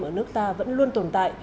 ở nước ta vẫn luôn tồn tại